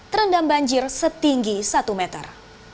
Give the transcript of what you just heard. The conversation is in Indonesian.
terendam banjir setinggi satu meter